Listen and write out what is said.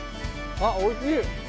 あっ、おいしい。